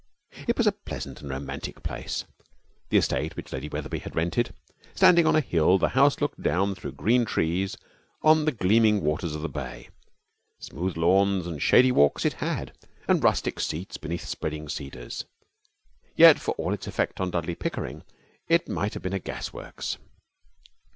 It was a pleasant and romantic place, the estate which Lady Wetherby had rented. Standing on a hill, the house looked down through green trees on the gleaming waters of the bay. Smooth lawns and shady walks it had, and rustic seats beneath spreading cedars. Yet for all its effect on Dudley Pickering it might have been a gasworks.